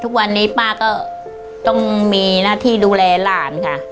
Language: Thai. ทุกวันนี้ป้าก็ต้องมีหน้าที่ดูแลหลานค่ะ